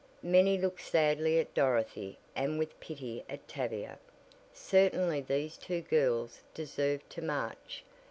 Many looked sadly at Dorothy and with pity at Tavia. Certainly these two girls deserved to march.